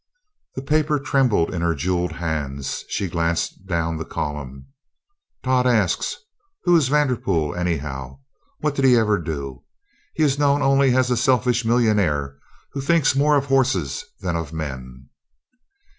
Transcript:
The paper trembled in her jewelled hands. She glanced down the column. "Todd asks: Who is Vanderpool, anyhow? What did he ever do? He is known only as a selfish millionaire who thinks more of horses than of men."